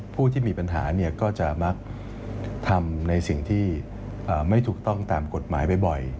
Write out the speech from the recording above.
ผู้ที่มีปัญหาเนี่ยก็จะมักทำในสิ่งที่ไม่ถูกต้องตามกฎหมายบ่อย